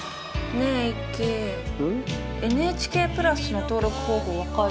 ねえイッキＮＨＫプラスの登録方法分かる？